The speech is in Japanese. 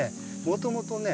もともとね